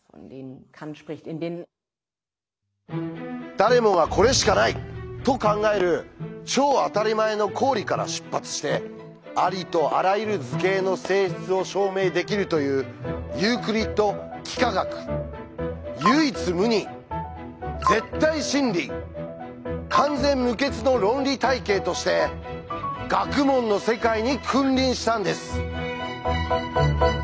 誰もが「これしかない」と考える超あたりまえの公理から出発してありとあらゆる図形の性質を証明できるというユークリッド幾何学。として学問の世界に君臨したんです。